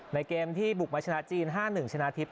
ในเกมที่บุกมาชนะจีน๕๑ชนะทิพย